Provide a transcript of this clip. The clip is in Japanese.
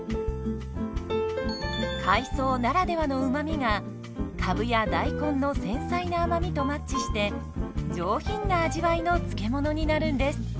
海藻ならではのうまみがかぶや大根の繊細な甘みとマッチして上品な味わいの漬物になるんです。